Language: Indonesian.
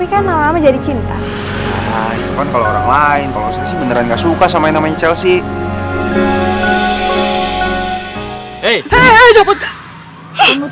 kan lama lama jadi cinta orang lain kalau beneran suka sama sama chelsea